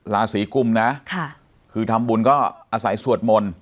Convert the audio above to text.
ราศีกุมนะคือทำบุญก็อาศัยสวดมนต์